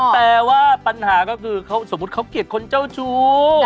แต่ว่าปัญหาก็คือเขาสมมุติเขาเกลียดคนเจ้าชู้